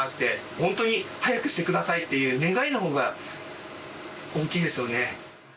本当に早くしてくださいっていう、願いのほうが大きいですよね。